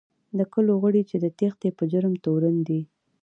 د کلو غړي چې د تېښتې په جرم تورن دي.